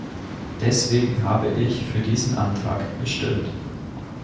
Deswegen habe ich für diesen Antrag gestimmt.